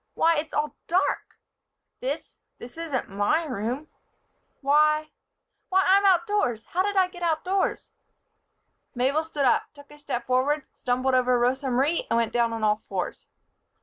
Why! It's all dark. This this isn't my room why! why! I'm outdoors! How did I get outdoors?" Mabel stood up, took a step forward, stumbled over Rosa Marie and went down on all fours.